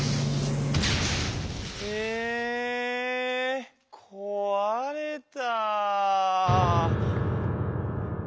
えこわれた。